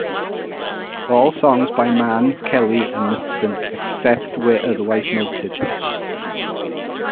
All songs by Mann, Kelly and Knutson, except where otherwise noted.